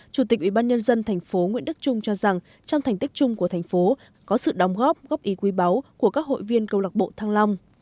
chủ tịch ubnd tp nguyễn đức trung cho rằng trong thành tích chung của thành phố có sự đóng góp góp ý quý báu của các hội viên câu lạc bộ thăng long